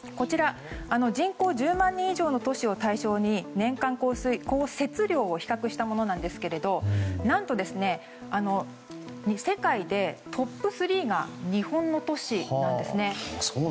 人口１０万人以上の都市を対象に年間降雪量を比較したものですが何と、世界でトップ３が日本の都市なんです。